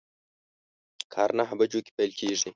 کار نهه بجو کی پیل کیږي